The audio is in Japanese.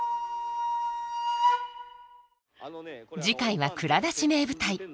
次回は「蔵出し！名舞台」。